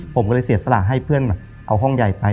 ผมก็เลยเสียสละให้เพื่อนเอาห้องใหญ่ไป